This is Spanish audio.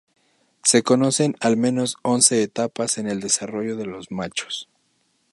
Se conocen al menos once etapas en el desarrollo de los machos.